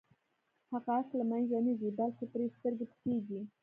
حقایق له منځه نه ځي بلکې پرې سترګې پټېږي.